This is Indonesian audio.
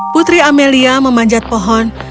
putri amelia memanjat pohon